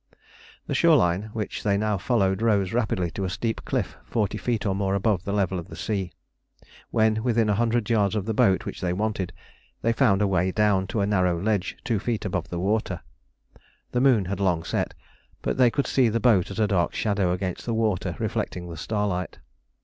The shore line, which they now followed, rose rapidly to a steep cliff forty feet or more above the level of the sea. When within a hundred yards of the boat which they wanted, they found a way down to a narrow ledge two feet above the water. The moon had long set, but they could see the boat as a dark shadow against the water reflecting the starlight.